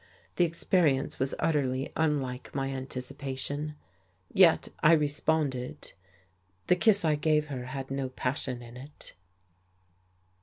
The experience was utterly unlike my anticipation. Yet I responded. The kiss I gave her had no passion in it.